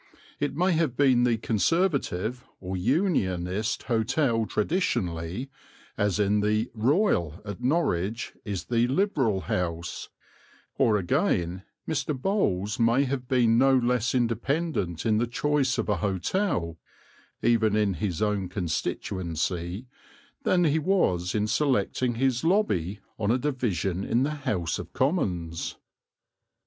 It may have been the Conservative or Unionist hotel traditionally, as the "Royal" at Norwich is the Liberal House; or again, Mr. Bowles may have been no less independent in the choice of a hotel, even in his own constituency, than he was in selecting his lobby on a division in the House of Commons.